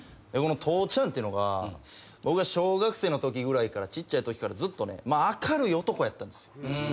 この父ちゃんっていうのが僕が小学生のときぐらいからちっちゃいときからずっとね明るい男やったんですよ。